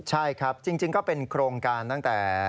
ใช่ครับจริงก็เป็นโครงการตั้งแต่